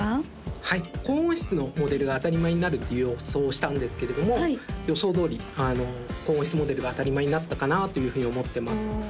はい高音質のモデルが当たり前になるという予想をしたんですけれども予想どおり高音質モデルが当たり前になったかなあというふうに思ってます